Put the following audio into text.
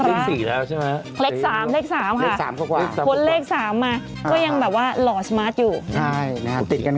ดูสิเนาะนะโหน่ารักเรียนสีแล้วใช่ไหมน่ารัก